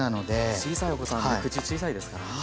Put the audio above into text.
小さいお子さんって口小さいですからね。